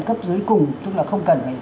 cấp dưới cùng tức là không cần